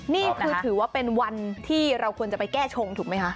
นี่คือถือว่าเป็นวันที่เราควรจะไปแก้ชงถูกไหมคะ